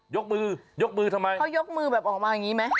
ยกมือยกมือทำไมเขายกมือแบบออกมาอย่างนี้ไหม